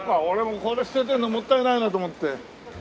俺これ捨ててるのもったいないなと思って。